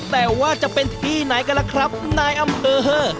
แต่ว่าจะเป็นที่ไหนกันล่ะครับนายอำเภอ